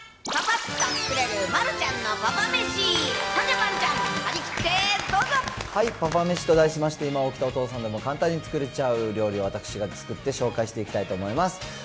ほんじゃ丸ちゃん、張り切ってどはい、パパめしと題しまして、今、起きたお父さんでも簡単に作れちゃう料理を私が作って紹介していきたいと思います。